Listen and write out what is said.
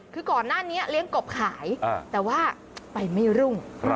คือก่อนหน้านี้เลี้ยงกบขายแต่ว่าไปไม่รุ่ง